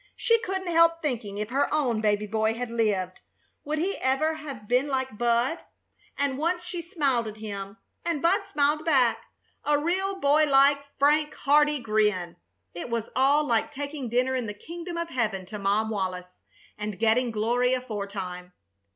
She couldn't help thinking, if her own baby boy had lived, would he ever have been like Bud? And once she smiled at him, and Bud smiled back, a real boy like, frank, hearty grin. It was all like taking dinner in the Kingdom of Heaven to Mom Wallis, and getting glory aforetime.